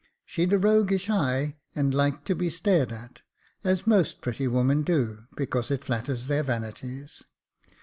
She'd a roguish eye, and liked to be stared at, as most pretty women do, because it flatters their vanities.